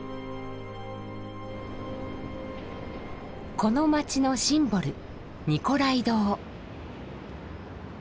この街のシンボルニコライ堂。